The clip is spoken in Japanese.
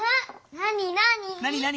なになに？